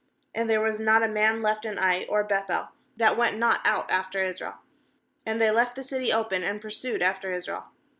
17And there was not a man left in Ai or Beth el, that went not out after Israel; and they left the city open, and pursued after Israel.